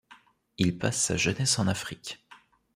Il passe sa jeunesse en Afrique.